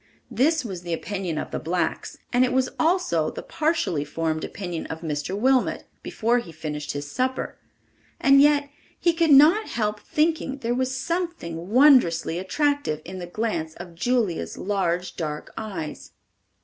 This was the opinion of the blacks, and it was also the partially formed opinion of Mr. Wilmot before he finished his supper; and yet he could not help thinking there was something wondrously attractive in the glance of Julia's large, dark eyes.